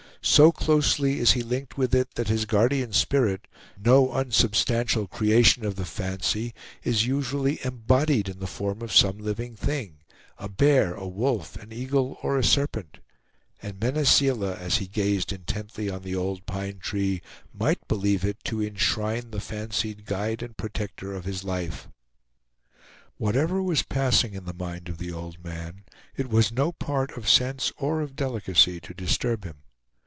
So closely is he linked with it that his guardian spirit, no unsubstantial creation of the fancy, is usually embodied in the form of some living thing a bear, a wolf, an eagle, or a serpent; and Mene Seela, as he gazed intently on the old pine tree, might believe it to inshrine the fancied guide and protector of his life. Whatever was passing in the mind of the old man, it was no part of sense or of delicacy to disturb him.